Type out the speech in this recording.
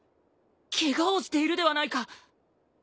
ケガをしているではないか！